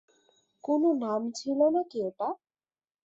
কোনো নাম ছিলো নাকি এটা?